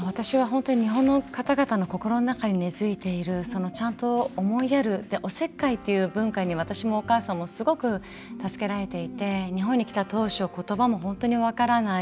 私は本当に日本の方々の心の中に根づいているちゃんと、思いやるおせっかいっていう文化に私もお母さんもすごく助けられていて日本に来た当初言葉も本当に分からない。